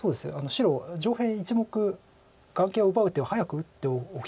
白上辺１目眼形を奪う手を早く打っておきたかったです